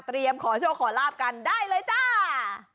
เตรียมขอโชคขอลาภกันได้เลยจ้า